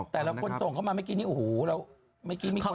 แต่หลักคนส่งเข้ามาเมื่อกี้นี่โอ้โห